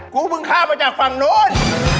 กูมึงข้ามมาจากฝั่งนู้น